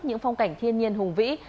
những phong cảnh thiên nhiên hùng vĩ